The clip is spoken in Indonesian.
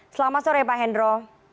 selamat sore pak hendro